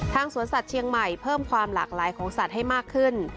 สวนสัตว์เชียงใหม่เพิ่มความหลากหลายของสัตว์ให้มากขึ้น